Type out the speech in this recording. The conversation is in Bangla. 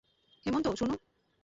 হেমন্ত, শোন।